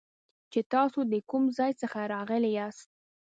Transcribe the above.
چې تاسو د کوم ځای څخه راغلي یاست